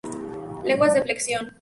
Lenguas de flexión.